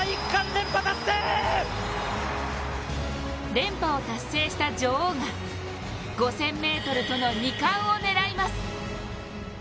連覇を達成した女王が５０００ｍとの２冠を狙います。